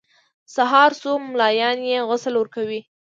سهار شو ملایان یې غسل ورکوي.